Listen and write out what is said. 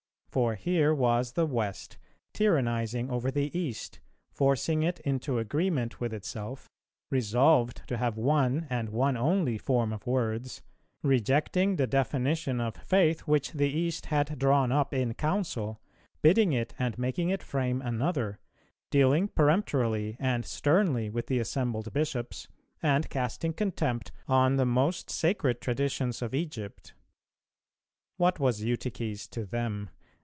[313:2] For here was the West tyrannizing over the East, forcing it into agreement with itself, resolved to have one and one only form of words, rejecting the definition of faith which the East had drawn up in Council, bidding it and making it frame another, dealing peremptorily and sternly with the assembled Bishops, and casting contempt on the most sacred traditions of Egypt! What was Eutyches to them?